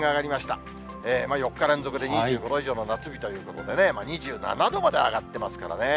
４日連続で２５度以上の夏日ということでね、２７度まで上がってますからね。